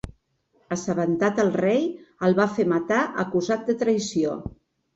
Assabentat el rei, el va fer matar acusat de traïció.